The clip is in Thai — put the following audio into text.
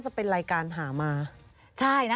ดำเนินคดีกับหมอเนี่ย